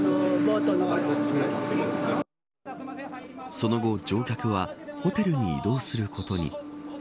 その後乗客はホテルに移動することに。